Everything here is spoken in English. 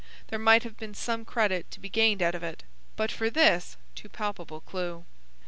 There might have been some credit to be gained out of it, but for this too palpable clue."